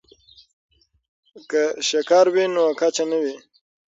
که شکر وي نو کچه نه وي.